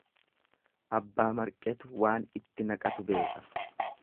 Abbaa marqetu waan itti naqu beeka.